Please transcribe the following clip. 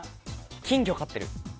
金魚を飼ってる。